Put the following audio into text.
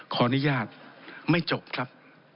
ขออนุญาตไม่จบครับ